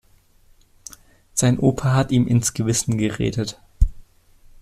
Sein Opa hat ihm ins Gewissen geredet.